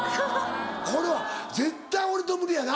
これは絶対俺と無理やな。